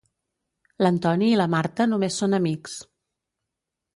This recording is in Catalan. L'Antoni i la Marta només són amics.